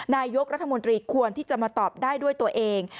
นายกรัฐมนตรีควรที่จะมาตอบได้ด้วยตัวเอง